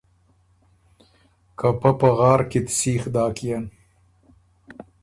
که پۀ پغار کی ت سیخ داکيېن۔